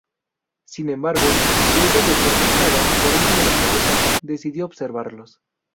Sin embargo, luego de ser picada por una de las abejas, decidió observarlos.